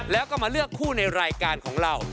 แล้วก็มาเลือกคู่ในรายการของเรา